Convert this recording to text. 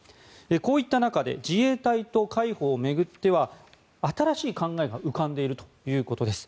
こういった中で自衛隊と海保を巡っては新しい考えが浮かんでいるということです。